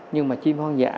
nhưng mà chim hoang dã